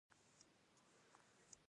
باز ډیر ژر خپل لوری بدلوي